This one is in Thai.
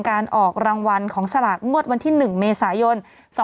การออกรางวัลของสลากงวดวันที่๑เมษายน๒๕๖๒